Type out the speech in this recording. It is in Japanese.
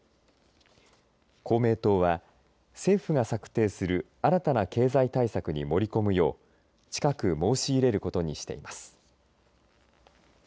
公明党は政府が策定する新たな経済対策に盛り込むよう、近く申し入れることにしています。